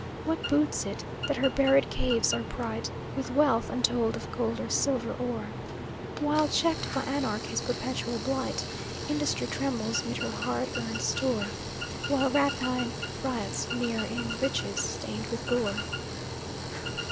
What boots it that her buried caves are bright With wealth untold of gold or silver ore? While, checked by anarchy's perpetual blight, Industry trembles 'mid her hard earned store, While rapine riots near in riches stained with gore?